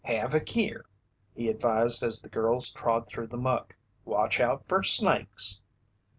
"Have a keer," he advised as the girls trod through the muck. "Watch out fer snakes."